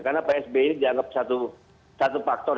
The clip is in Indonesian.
karena pak sby dianggap satu faktor